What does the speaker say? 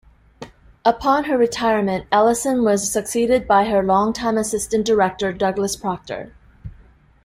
Upon her retirement, Ellison was succeeded by her longtime assistant director, Douglas Proctor.